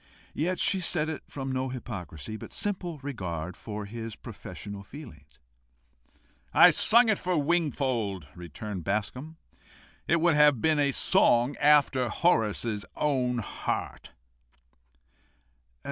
Yet she said it from no hypocrisy, but simple regard to his professional feelings, "I sung it for Mr. Wingfold," returned Bascombe. "It would have been a song after Horace's own heart."